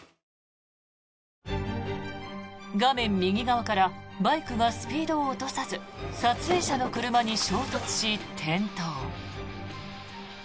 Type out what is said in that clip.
画面右側からバイクがスピードを落とさず撮影者の車に衝突し、転倒。